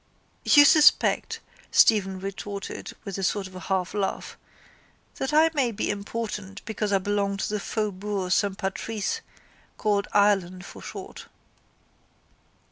—You suspect, Stephen retorted with a sort of a half laugh, that I may be important because I belong to the faubourg Saint Patrice called Ireland for short.